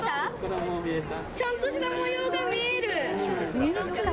ちゃんとした模様が見える。